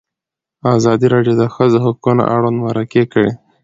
ازادي راډیو د د ښځو حقونه اړوند مرکې کړي.